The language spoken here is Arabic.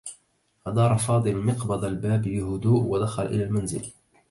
أدار فاضل مقبض الباب بهدوء و دخل إلى المنزل.